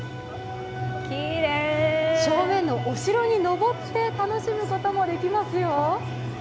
正面のお城に上って楽しむこともできますよ。